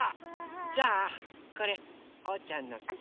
じゃあこれおうちゃんのさお。